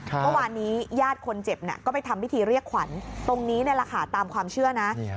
เมื่อวานนี้ญาติคนเจ็บก็ไปทำพิธีเรียกขวัญตรงนี้นี่แหละค่ะตามความเชื่อนะ